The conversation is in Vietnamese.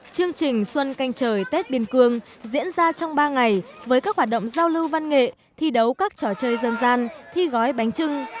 chương trình xuân canh trời tết biên cương diễn ra trong ba ngày với các hoạt động giao lưu văn nghệ thi đấu các trò chơi dân gian thi gói bánh trưng